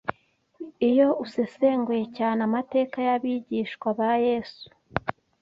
Iyo usesenguye cyane amateka y’abigishwa ba Yesu